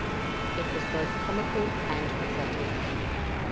It was both comical and pathetic.